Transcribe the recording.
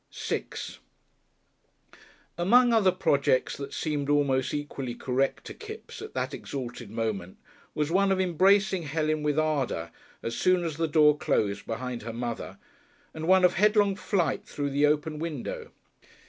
§6 Among other projects that seemed almost equally correct to Kipps at that exalted moment was one of embracing Helen with ardour as soon as the door closed behind her mother and one of headlong flight through the open window.